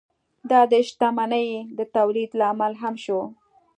دا د شتمنۍ د تولید لامل هم شو.